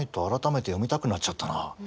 改めて読みたくなっちゃったな。